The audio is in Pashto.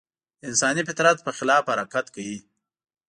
د انساني فطرت په خلاف حرکت کوي.